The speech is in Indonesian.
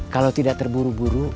kalau tidak terburu buru